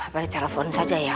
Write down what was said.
paling telepon saja ya